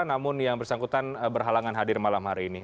namun yang bersangkutan berhalangan hadir malam hari ini